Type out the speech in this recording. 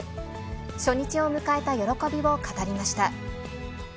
初日を迎えた喜びを語りました。